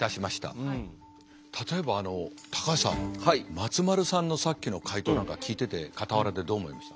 松丸さんのさっきの解答なんか聞いてて傍らでどう思いました？